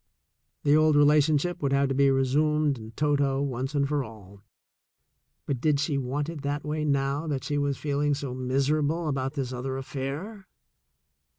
The old relationship would have to be resumed in toto, once and for all, but did she want it that way now that she was feeling so miserable about this other affair